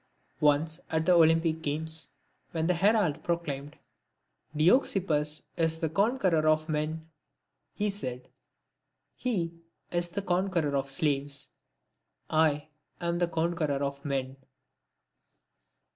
Once, at the Olympic games, when the herald proclaimed, " Dioxippus is the conqueror of men ;" he said, '* He is the conqueyor of slaves, I am the conqueror of men."